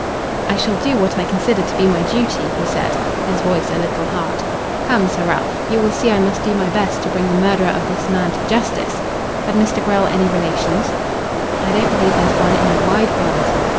"I shall do what I consider to be my duty," he said, his voice a little hard. "Come, Sir Ralph, you will see I must do my best to bring the murderer of this man to justice. Had Mr. Grell any relations?" "I don't believe there's one in the wide world."